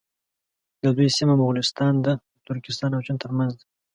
د دوی سیمه مغولستان د ترکستان او چین تر منځ ده.